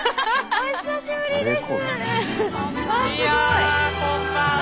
お久しぶりです。